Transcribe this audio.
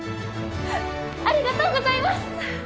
ありがとうございます！